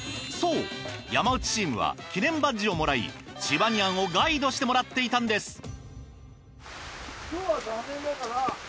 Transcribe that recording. そう山内チームは記念バッジをもらいチバニアンをガイドしてもらっていたんです。